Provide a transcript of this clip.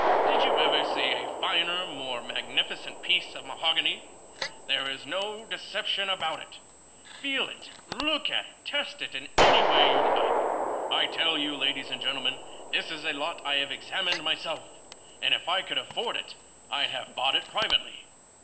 Did you ever see a finer, a more magnificent piece of mahogany? There is no deception about it. Feel it, look at it, test it in any way you like. I tell you, ladies and gentlemen, this is a lot I have examined myself, and if I could afford it I'd have bought it privately.